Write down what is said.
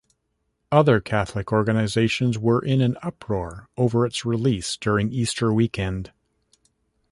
Other Catholic organizations were in an uproar over its release during Easter weekend.